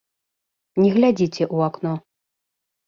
Не глядзіце ў акно.